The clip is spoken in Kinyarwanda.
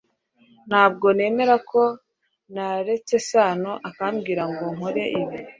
Ntabwo nemera ko naretse Sano akambwira ngo nkore ibi